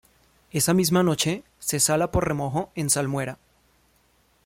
Esa misma noche, se sala por remojo en salmuera.